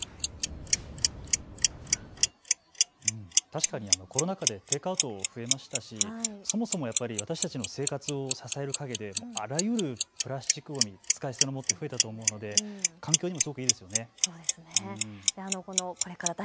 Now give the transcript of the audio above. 確かにコロナ禍でテイクアウトが増えましたし、そもそもやっぱり私たちの生活を支えるかげであらゆるプラスチックごみ、使い捨てものが増えたと思うので、環境にもすごくいいですよね。